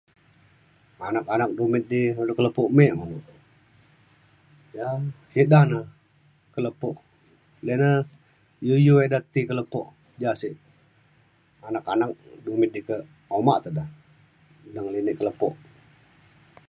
anak anak dumit di ngan lu ka lepo me ia’ sik da na ka lepo de na iu iu ida ti ka lepo ja sik anak anak dumit di ke uma te da dek ngelinek ka lepo